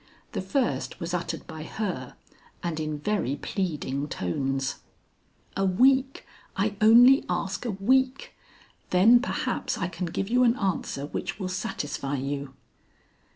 The first was uttered by her, and in very pleading tones: "A week I only ask a week. Then perhaps I can give you an answer which will satisfy you."